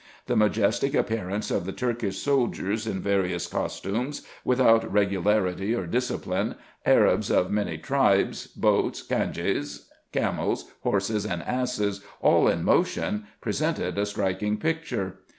The majestic ap pearance of Turkish soldiers in various costumes, without regu larity or discipline, Arabs of many tribes, boats, canjeas, camels, horses, and asses, all in motion, presented a striking picture.